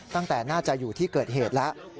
ตั้งแต่น่าจะอยู่ที่เกิดเหตุแล้ว